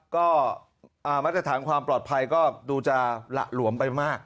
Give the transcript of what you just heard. ก็มาตรฐานความปลอดภัยก็ดูจะหละหลวมไปมาก